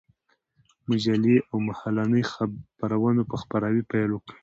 مجلې او مهالنۍ خپرونو په خپراوي پيل وكړ.